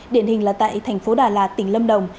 điển hình là tại thành phố đà lạt tỉnh lâm đồng